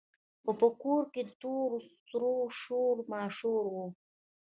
خو په کور کې د تور سرو شور ماشور وو.